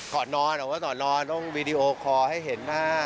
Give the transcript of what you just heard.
ก่อนนอนเอาไว้ก่อนนอนต้องวีดีโอคอร์ให้เห็นหน้า